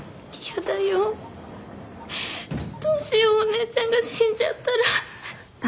どうしようお姉ちゃんが死んじゃったら。